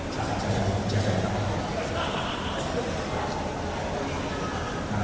สวัสดีทุกคน